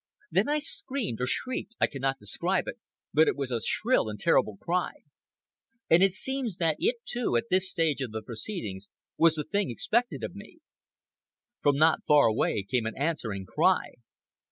Then I screamed...or shrieked—I cannot describe it, but it was a shrill and terrible cry. And it seems that it, too, at this stage of the proceedings, was the thing expected of me. From not far away came an answering cry.